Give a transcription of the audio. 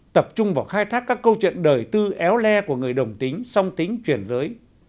tập trung vào khai thác các câu chuyện đời tư éo le của người đồng tính song tính chuyển giới